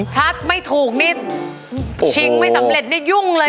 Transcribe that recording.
ถ้าไม่ถูกนี่ชิงไม่สำเร็จนี่ยุ่งเลย